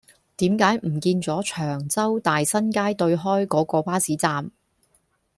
點解唔見左長洲大新街對開嗰個巴士站